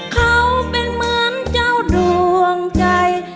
เขาเป็นเหมือนเจ้าดวงใจ